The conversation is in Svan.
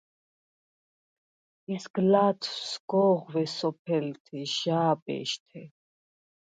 ისგლა̄თვ სგო̄ღვე სოფელთე, ჟა̄ბეშთე.